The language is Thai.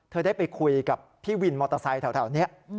เธอได้ไปคุยกับพี่วินมอเตอร์ไซค์แถวนี้